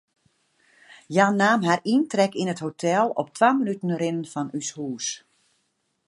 Hja naam har yntrek yn it hotel, op twa minuten rinnen fan ús hûs.